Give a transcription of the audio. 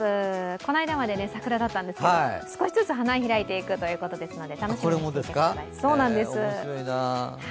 この間まで桜だったんですけれども、少しずつ花開いていくということなのでおもしろいなあ。